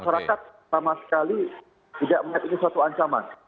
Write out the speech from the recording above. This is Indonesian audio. masyarakat sama sekali tidak melihat ini sebagai satu ancaman